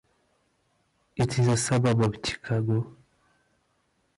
It is a suburb of Chicago.